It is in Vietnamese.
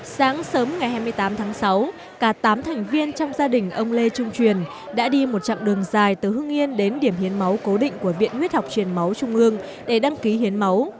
sáng sớm ngày hai mươi tám tháng sáu cả tám thành viên trong gia đình ông lê trung truyền đã đi một chặng đường dài từ hưng yên đến điểm hiến máu cố định của viện huyết học truyền máu trung ương để đăng ký hiến máu